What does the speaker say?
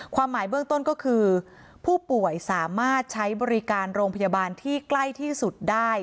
ความหมายเบื้องต้นก็คือผู้ป่วยสามารถใช้บริการโรงพยาบาลที่ใกล้ที่สุดได้